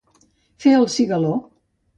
Fer el cigaló.